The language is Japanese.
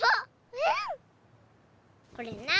うん？